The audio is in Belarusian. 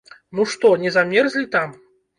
Ну што, не замерзлі там?